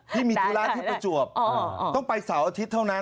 ที่มีธุระที่ประจวบต้องไปเสาร์อาทิตย์เท่านั้น